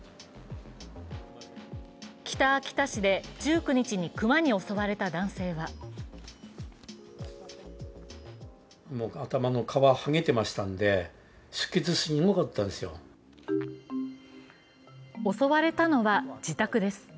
北秋田市で１９日に熊に襲われた男性は襲われたのは自宅です。